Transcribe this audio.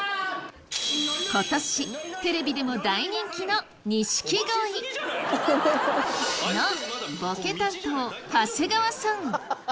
ことし、テレビでも大人気の錦鯉のボケ担当、長谷川さん！